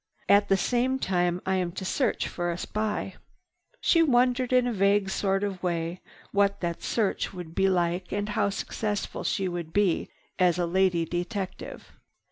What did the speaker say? At the same time I am to search for a spy." She wondered in a vague sort of way what that search would be like and how successful she would be as a lady detective.